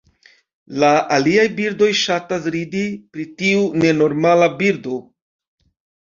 La aliaj birdoj ŝatas ridi pri tiu nenormala birdo.